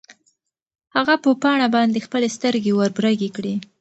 هغه په پاڼه باندې خپلې سترګې وربرګې کړې.